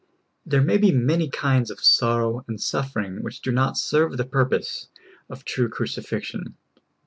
There may be many kinds of sorrow and suffering which do not serve the purpose of true crucifixion.